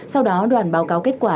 sau đó đoàn báo cáo kết quả